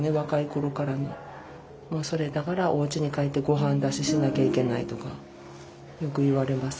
もうそれだからおうちに帰ってごはん出ししなきゃいけないとかよく言われます。